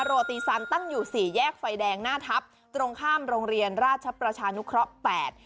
โรตีซันตั้งอยู่สี่แยกไฟแดงหน้าทัพตรงข้ามโรงเรียนราชประชานุเคราะห์แปด